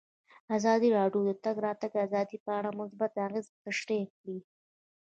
ازادي راډیو د د تګ راتګ ازادي په اړه مثبت اغېزې تشریح کړي.